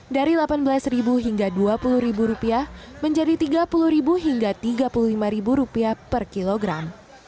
dari rp delapan belas hingga rp dua puluh menjadi rp tiga puluh hingga rp tiga puluh lima per kilogram